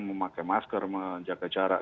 memakai masker menjaga jarak